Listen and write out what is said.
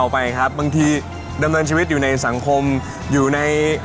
ไปครับบางทีดำเนินชีวิตอยู่ในสังคมอยู่ใน